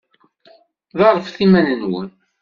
Ḍerrfet iman-nwen.